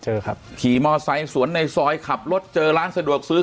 เจอครับขี่มอไซค์สวนในซอยขับรถเจอร้านสะดวกซื้อ